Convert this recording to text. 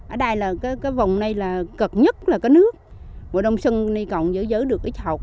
ở đây là cái vòng này là cực nhất là cái nước vụ đông xuân này còn giới giới được cái chọc